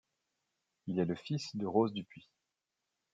Il est le fils de Rose Dupuis.